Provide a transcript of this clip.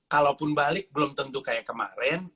kalaupun balik belum tentu kayak kemarin